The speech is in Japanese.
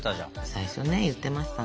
最初ね言ってましたね。